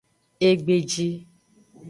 Egbeji.